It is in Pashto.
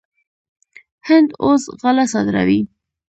هند اوس غله صادروي.